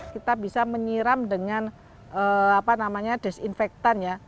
kita bisa menyiram dengan apa namanya disinfektan ya